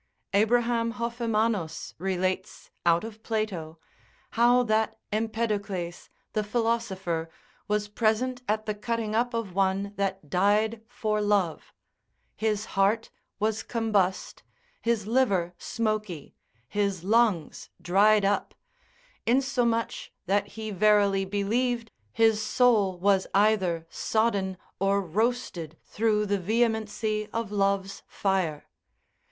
Abraham Hoffemannus, lib. 1. amor conjugal, cap. 2. p. 22. relates out of Plato, how that Empedocles, the philosopher, was present at the cutting up of one that died for love, his heart was combust, his liver smoky, his lungs dried up, insomuch that he verily believed his soul was either sodden or roasted through the vehemency of love's fire.